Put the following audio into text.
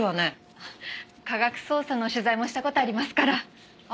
科学捜査の取材もした事ありますから。